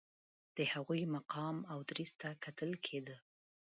د هغوی مقام او دریځ ته کتل کېده.